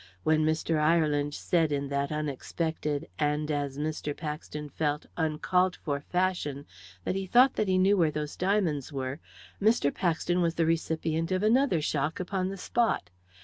When Mr. Ireland said in that unexpected and, as Mr. Paxton felt, uncalled for fashion that he thought that he knew where those diamonds were, Mr. Paxton was the recipient of another shock upon the spot.